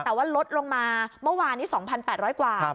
แต่ว่าลดลงมาเมื่อวานนี้๒๘๐๐กว่า